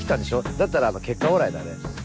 だったら結果オーライだね。